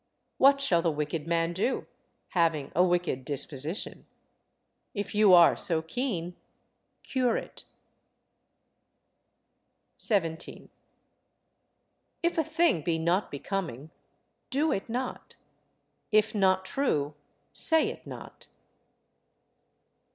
What shall the wicked man do, having a wicked disposition? If you are so keen, cure it. 17. If a thing be not becoming, do it not; if not true, say it not.